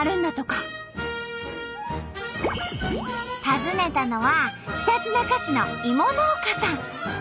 訪ねたのはひたちなか市の芋農家さん。